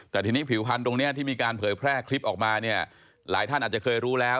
แต่ทีนี้ผิวพันธุ์ตรงนี้ที่มีการเผยแพร่คลิปออกมาเนี่ยหลายท่านอาจจะเคยรู้แล้ว